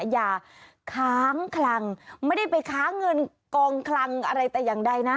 อย่าค้างคลังไม่ได้ไปค้าเงินกองคลังอะไรแต่อย่างใดนะ